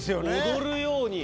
踊るように。